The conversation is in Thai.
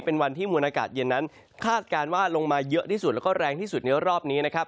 เป็นวันที่มวลอากาศเย็นนั้นคาดการณ์ว่าลงมาเยอะที่สุดแล้วก็แรงที่สุดในรอบนี้นะครับ